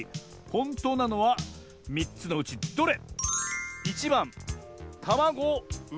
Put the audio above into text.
ほんとうなのは３つのうちどれ？